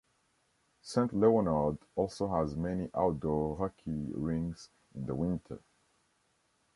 Saint Leonard also has many outdoor hockey rinks in the winter.